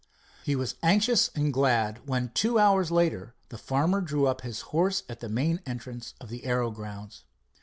He was anxious and glad, when two hours later, the farmer drew up his horse at the main entrance to the aero grounds.